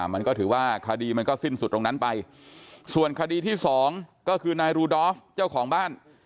มันก็ถือว่าคดีมันก็สิ้นสุดตรงนั้นไปส่วนคดีที่สองก็คือนายรูดอฟเจ้าของบ้าน